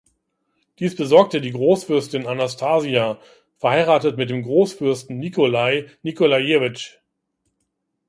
Dies besorgte die Großfürstin Anastasia, verheiratet mit dem Großfürsten Nikolai Nikolajewitsch.